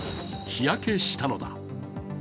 日焼けしたのだ。